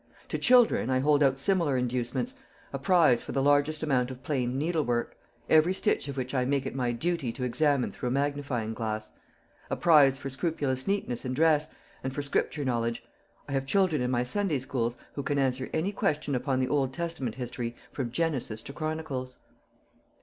To my children I hold out similar inducements a prize for the largest amount of plain needlework, every stitch of which I make it my duty to examine through a magnifying glass; a prize for scrupulous neatness in dress; and for scripture knowledge. I have children in my Sunday schools who can answer any question upon the Old Testament history from Genesis to Chronicles."